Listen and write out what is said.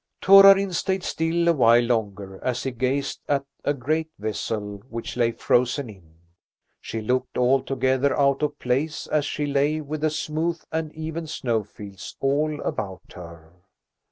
Torarin stayed still awhile longer as he gazed at a great vessel which lay frozen in. She looked altogether out of place as she lay with the smooth and even snowfields all about her.